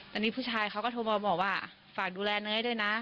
ตอนนี้ผู้ชายเขาก็โทรมาบอกว่าฝากดูแลเนยด้วยนะ